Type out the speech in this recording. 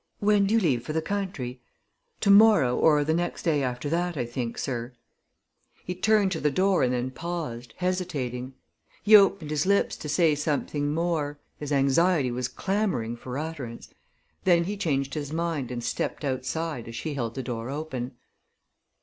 "When do you leave for the country?" "To morrow or the next day after that, I think, sir." He turned to the door and then paused, hesitating. He opened his lips to say something more his anxiety was clamoring for utterance then he changed his mind and stepped outside as she held the door open.